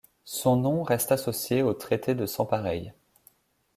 Son nom reste associé au Traité de Sans-Pareil.